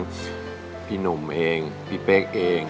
พี่หนุ่มเองพี่เป๊กเอง